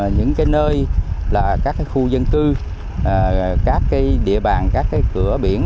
những nơi là các khu dân cư các địa bàn các cửa biển